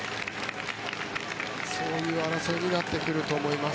そういう争いになってくると思います。